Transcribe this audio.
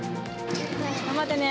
頑張ってね。